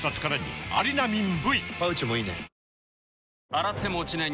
洗っても落ちない